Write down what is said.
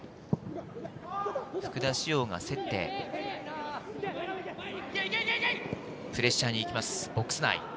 福田師王が競って、プレッシャーにいきます、ボックス内。